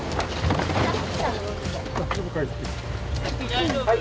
大丈夫か？